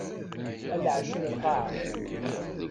A lɛecc n lqaɛa!